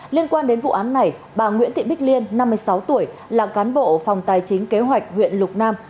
liên quan đến vụ án này bà nguyễn thị bích liên năm mươi sáu tuổi là cán bộ phòng tài chính kế hoạch huyện lục nam